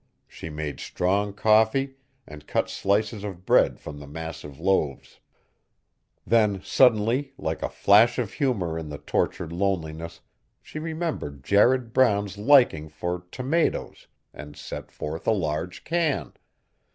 She made strong coffee, and cut slices of bread from the massive loaves. Then suddenly, like a flash of humor in the tortured loneliness, she remembered Jared Brown's liking for tomatoes and set forth a large can.